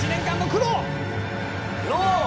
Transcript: ロー！